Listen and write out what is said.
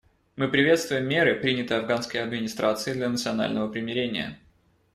Мы приветствуем меры, принятые афганской администрацией для национального примирения.